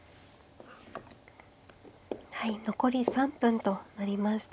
はい残り３分となりました。